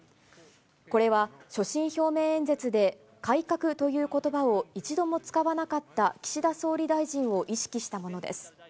これは所信表明演説で改革ということばを一度も使わなかった岸田総理大臣を意識したものです。